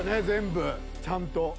全部ちゃんと。